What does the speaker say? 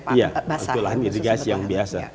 iya untuk lahan irigasi yang biasa